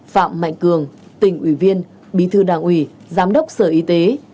phạm mạnh cường tỉnh ủy viên bí thư đảng ủy giám đốc sở y tế